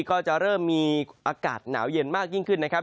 ก็จะเริ่มมีอากาศหนาวเย็นมากยิ่งขึ้นนะครับ